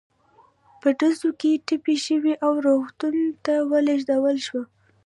په ډزو کې ټپي شو او روغتون ته ولېږدول شو.